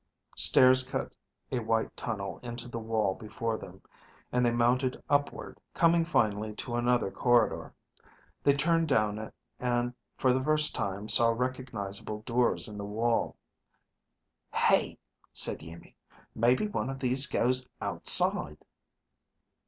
Stairs cut a white tunnel into the wall before them, and they mounted upward, coming finally to another corridor. They turned down it and for the first time saw recognizable doors in the wall. "Hey," said Iimmi, "maybe one of these goes outside."